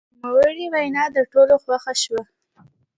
د نوموړي وینا د ټولو خوښه شوه.